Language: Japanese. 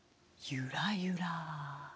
ゆらゆら？